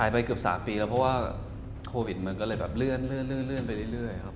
เพราะว่าโควิดมันก็เลยแบบเลื่อนไปเรื่อย